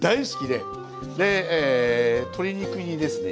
で鶏肉にですね